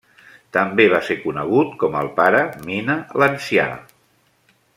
També va ser conegut com el pare Mina l'ancià.